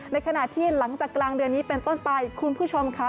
ในขณะที่หลังจากกลางเดือนนี้เป็นต้นไปคุณผู้ชมค่ะ